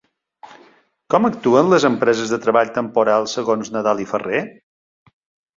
Com actuen les empreses de treball temporal segons Nadal i Ferrer?